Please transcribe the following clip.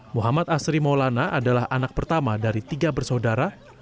muhammad asri maulana adalah anak pertama dari tiga bersaudara